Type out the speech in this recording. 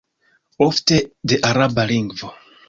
Ofte de Araba lingvo.